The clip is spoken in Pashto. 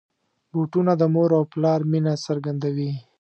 بوټونه د مور او پلار مینه څرګندوي.